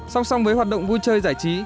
song song với hoạt động vui chơi giải trí